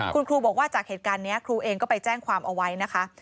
คุณครูบอกว่าจากเหตุการณ์นี้ครูเองก็ไปแจ้งความเอาไว้นะคะ